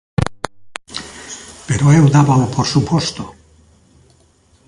Pero eu dábao por suposto.